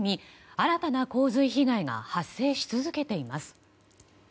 新たな洪水被害が発生し続けています。